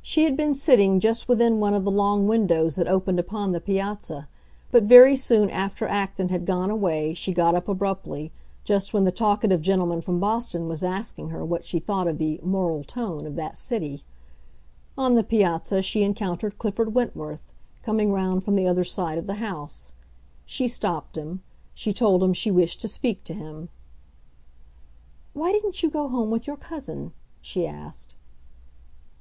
She had been sitting just within one of the long windows that opened upon the piazza; but very soon after Acton had gone away she got up abruptly, just when the talkative gentleman from Boston was asking her what she thought of the "moral tone" of that city. On the piazza she encountered Clifford Wentworth, coming round from the other side of the house. She stopped him; she told him she wished to speak to him. "Why didn't you go home with your cousin?" she asked.